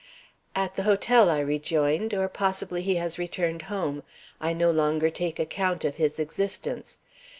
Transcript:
"At the hotel," I rejoined. "Or possibly he has returned home. I no longer take account of his existence.